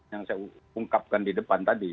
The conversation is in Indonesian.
yang saya ungkapkan di depan tadi